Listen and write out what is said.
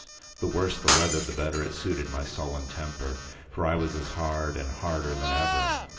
The worse the weather, the better it suited with my sullen temper. For I was as hard, and harder than ever.